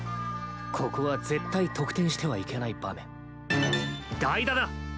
ここは絶対得点してはいけない場面代打だ！